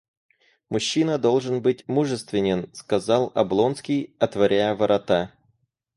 Мужчина должен быть мужествен, — сказал Облонский, отворяя ворота.